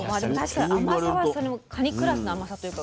確かに甘さはそのカニクラスの甘さというか。